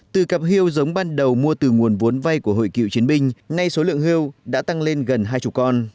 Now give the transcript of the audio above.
từ cặp hươu giống ban đầu mua từ nguồn vốn vay của hội cựu chiến binh ngay số lượng hươu đã tăng lên gần hai mươi con